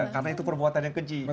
karena itu perbuatan yang keji